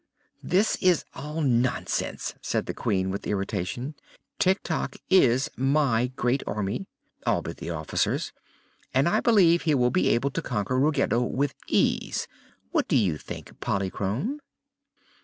"This is all nonsense," said the Queen, with irritation. "Tik Tok is my great Army all but the officers and I believe he will be able to conquer Ruggedo with ease. What do you think, Polychrome?"